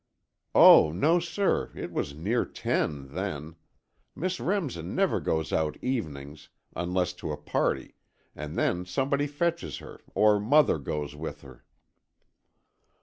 "Oh, no, sir, it was near ten, then. Miss Remsen never goes out evenings unless to a party and then somebody fetches her or Mother goes with her."